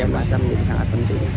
pengendalian masa menjadi sangat penting